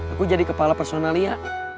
aku jadi kepala personal ya